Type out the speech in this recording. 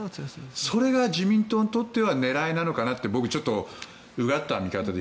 それが自民党にとっては狙いなのかなって僕はうがった見方で。